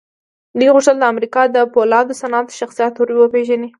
دوی غوښتل د امريکا د پولادو صنعت شخصيت ور وپېژني.